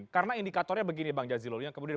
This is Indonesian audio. karena indikatornya begini bang jazilul yang kemudian